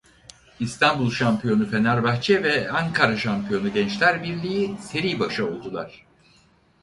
İstanbul şampiyonu Fenerbahçe ve Ankara şampiyonu Gençlerbirliği seri başı oldular.